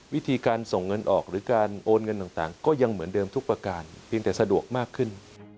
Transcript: วิธีการส่งเงินออกหรือการโอนเงินต่างก็ยังเหมือนเดิมทุกประการเพียงแต่สะดวกมากขึ้น